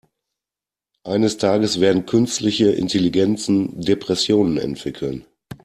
Eines Tages werden künstliche Intelligenzen Depressionen entwickeln.